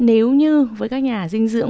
nếu như với các nhà dinh dưỡng